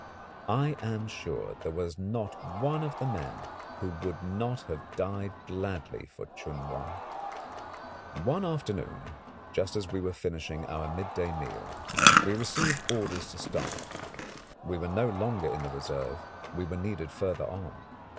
I am sure there was not one of the men who would not have died gladly for Chun Wa. One afternoon, just as we were finishing our midday meal, we received orders to start. We were no longer in the reserve; we were needed further on.